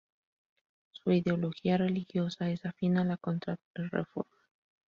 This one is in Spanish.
Su ideología religiosa es afín a la contrarreforma.